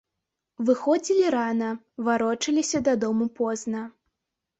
Выходзілі рана, варочаліся дадому позна.